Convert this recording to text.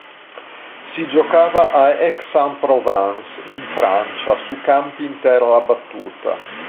Si giocava a Aix-en-Provence in Francia su campi in terra battuta.